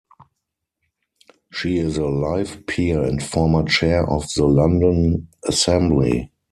She is a Life Peer and former chair of the London Assembly.